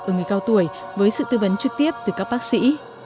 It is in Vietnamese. ở người cao tuổi với sự tư vấn trực tiếp từ các bác sĩ